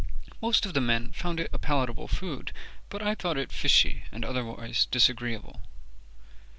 Most of the men found it a palatable food, but I thought it fishy and otherwise disagreeable.